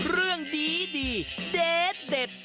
เรื่องดีดีเด็ดเด็ด